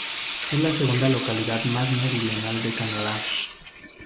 Es la segunda localidad más meridional de Canadá.